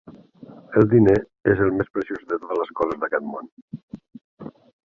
El diner és el més preciós de totes les coses d'aquest món.